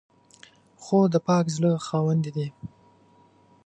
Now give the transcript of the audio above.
خور د پاک زړه خاوندې ده.